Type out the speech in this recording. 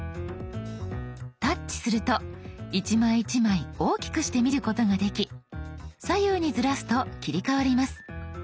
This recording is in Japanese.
タッチすると一枚一枚大きくして見ることができ左右にずらすと切り替わります。